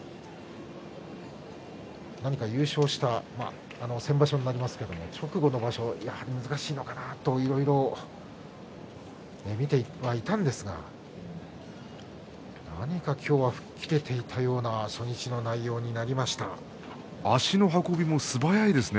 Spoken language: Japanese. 何か、優勝した先場所になりますけれども直後の場所難しいのかなといろいろ見ていたんですが何か今日は吹っ切れていたような初日の内容になりました。